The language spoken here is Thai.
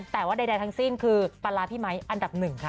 แต่ว่าใดทั้งสิ้นคือปลาร้าพี่ไมค์อันดับหนึ่งค่ะ